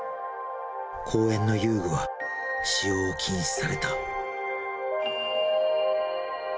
公園の遊具は使用を禁止された。